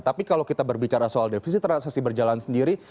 tapi kalau kita berbicara soal defisit transaksi berjalan sendiri